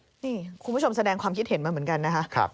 นี่คุณผู้ชมแสดงความคิดเห็นมาเหมือนกันนะคะ